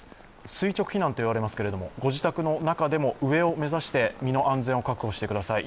垂直避難と言われますけれども、ご自宅の中でも上を目指して、身の安全を確保してください。